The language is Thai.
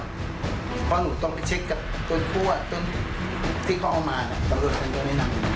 เพราะว่าหนูต้องไปเช็คกับต้นพวกอ่ะต้นพวกที่เขาเอามาตำรวจการแนะนำ